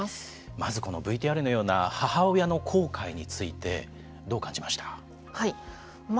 まずＶＴＲのような母親の後悔についてどう感じましたか。